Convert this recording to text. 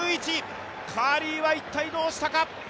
カーリーは一体どうしたか？